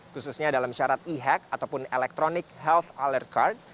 khususnya dalam syarat e hack ataupun electronic health alert card